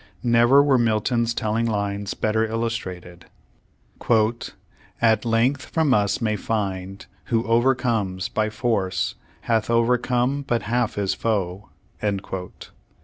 Never were Milton's telling lines better illus trated : "At length from us may find, who overcomes By force, hath overcome but half his foe."